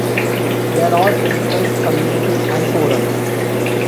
There are centralized communities and forums.